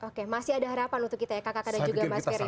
oke masih ada harapan untuk kita ya kakak